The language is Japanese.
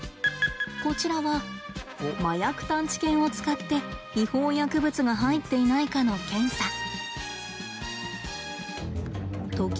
こちらは麻薬探知犬を使って違法薬物が入っていないかの検査。